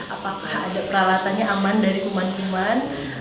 apakah ada peralatannya aman dari kuman kuman